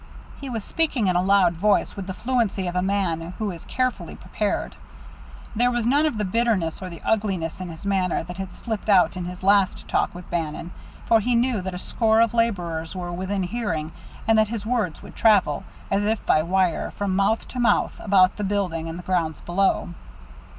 He was speaking in a loud voice, with the fluency of a man who is carefully prepared. There was none of the bitterness or the ugliness in his manner that had slipped out in his last talk with Bannon, for he knew that a score of laborers were within hearing, and that his words would travel, as if by wire, from mouth to mouth about the building and the grounds below.